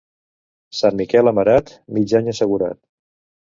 Sant Miquel amarat, mig any assegurat.